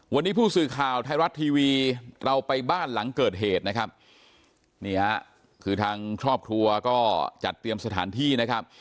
วันนี้ผู้สื่อข่าวไทยรัฐทีวีเราไปบ้านหลังเกิดเหตุนะครับนี่ฮะคือทางครอบครัวก็จัดเตรียมสถานที่นะครับ